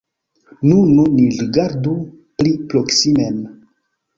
Nun ni rigardu pli proksimen.